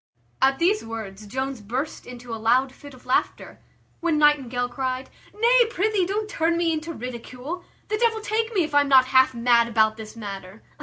At these words Jones burst into a loud fit of laughter; when Nightingale cried "Nay, prithee, don't turn me into ridicule. The devil take me if I am not half mad about this matter!